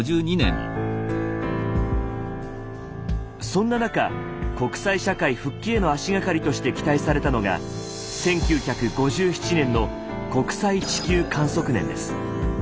そんな中国際社会復帰への足がかりとして期待されたのが１９５７年の国際地球観測年です。